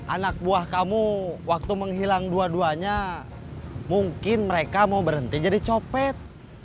anak buah kamu waktu menghilang dua duanya mungkin mereka mau berhenti jadi copet